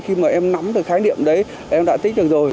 khi mà em nắm được khái niệm đấy em đã tích được rồi